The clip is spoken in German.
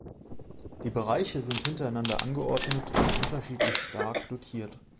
Die Bereiche sind hintereinander angeordnet und unterschiedlich stark dotiert.